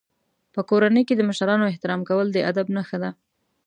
په کورنۍ کې د مشرانو احترام کول د ادب نښه ده.